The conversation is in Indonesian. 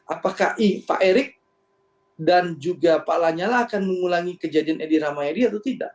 apakah pak erik dan juga pak lanyala akan mengulangi kejadian edi rahmayadi atau tidak